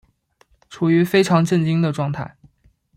处於非常震惊的状态